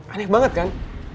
aneh banget kan